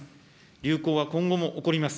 流行は今後も起こります。